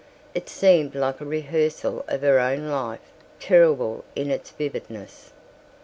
It seemed like a rehearsal of her own life, terrible in its vividness.